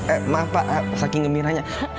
eh maaf pak saking gembiranya